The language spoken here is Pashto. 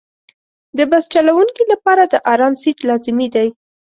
د بس چلوونکي لپاره د آرام سیټ لازمي دی.